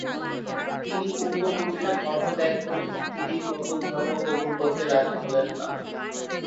তিনি পূর্বপুরুষের ধর্ম ত্যাগ করে স্ত্রীর নতুন ধর্ম কবুল করতে রাজী হলেন না।